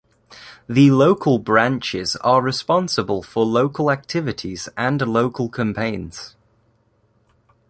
The local branches are responsible for local activities and local campaigns.